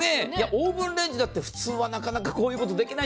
オーブンレンジはなかなかこういうことできない。